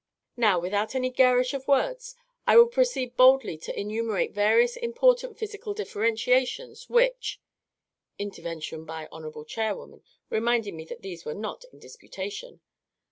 Now, without any gairish of words, I will proceed baldly to enumerate various important physical differentiations which (_Intervention by Hon'ble Chairwoman, reminding me that these were not in disputation.